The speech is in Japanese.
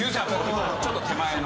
ちょっと手前の。